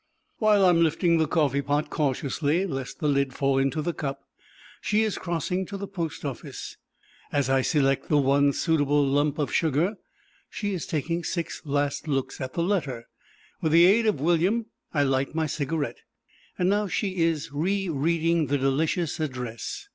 While I am lifting the coffee pot cautiously lest the lid fall into the cup, she is crossing to the post office; as I select the one suitable lump of sugar she is taking six last looks at the letter; with the aid of William I light my cigarette, and now she is re reading the delicious address.